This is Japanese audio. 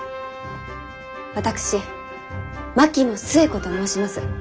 私槙野寿恵子と申します。